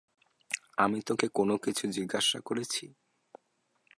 আমি তোকে কোন কিছু জিজ্ঞাসা করেছি?